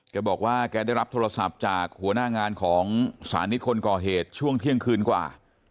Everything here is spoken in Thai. แกบอกว่าแกได้รับโทรศัพท์จากหัวหน้างานของสานิทคนก่อเหตุช่วงเที่ยงคืนกว่า